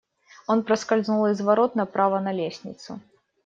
Он проскользнул из ворот направо на лестницу.